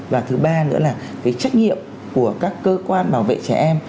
và thứ ba nữa là cái trách nhiệm của các cơ quan bảo vệ trẻ em